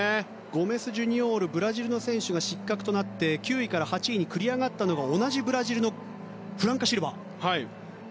ゴメス・ジュニオールブラジルの選手が失格となって９位から８位に繰り上がったのが同じブラジルのフランカ・シルバ。